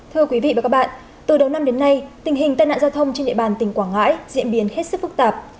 thưa quý vị và các bạn từ đầu năm đến nay tình hình tai nạn giao thông trên địa bàn tỉnh quảng ngãi diễn biến hết sức phức tạp